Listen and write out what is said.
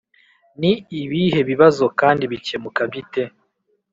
ni ibihe bibazo kandi bikemuka bite?